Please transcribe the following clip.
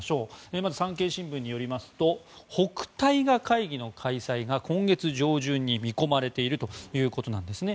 まず産経新聞によりますと北戴河会議の開催が今月上旬に見込まれているということなんですね。